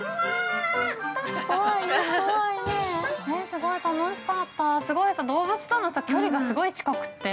◆すごい楽しかった動物との距離がすごい近くって。